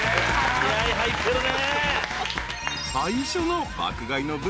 気合入ってるね。